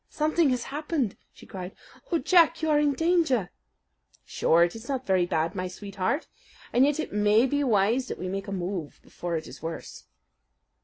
"Something has happened!" she cried. "Oh, Jack, you are in danger!" "Sure, it is not very bad, my sweetheart. And yet it may be wise that we make a move before it is worse."